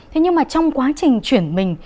thế nhưng mà trong quá trình chuyển mình